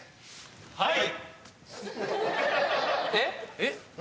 はい！